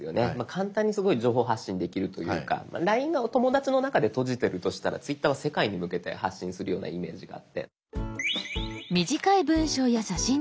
簡単に情報発信できるというか「ＬＩＮＥ」がお友だちの中で閉じてるとしたら「Ｔｗｉｔｔｅｒ」は世界に向けて発信するようなイメージがあって。